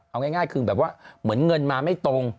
เอาง่ายคือแบบว่าเหมือนเงินมาไม่ตรง